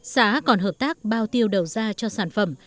xã còn hợp tác bao tiêu đầu ra cho sản phẩm